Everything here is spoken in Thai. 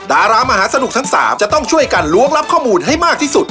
ดารามหาสนุกทั้ง๓จะต้องช่วยกันล้วงรับข้อมูลให้มากที่สุด